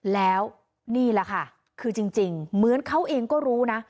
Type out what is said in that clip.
แล้วนี่แหละค่ะคือจริงเหมือนเขาเองก็รู้นะ